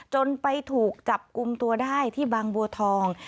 จนไปถูกจับกลุ่มตัวได้ที่บางบัวทอง